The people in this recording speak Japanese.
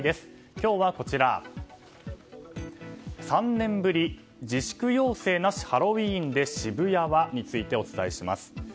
今日は、３年ぶり自粛要請なしハロウィーンで渋谷はについてお伝えします。